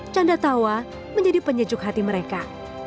canda tawa menjadi penyejuk hati mereka